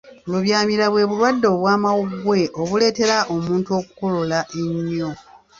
Lubyamira bwe bulwadde obw'amawuggwe obuleetera omuntu okukolola ennyo.